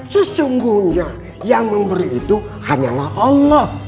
sesungguhnya yang memberi itu hanyalah allah